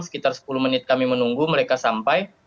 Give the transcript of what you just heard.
sekitar sepuluh menit kami menunggu mereka sampai